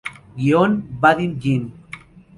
Guion: Vadim Jean.